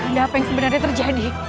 ada apa yang sebenarnya terjadi